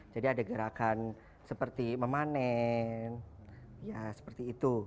jadi ada gerakan seperti memanen ya seperti itu